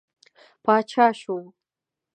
پاچا شو.